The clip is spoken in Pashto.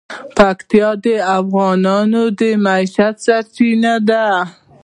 پکتیکا د افغانانو د معیشت سرچینه ده.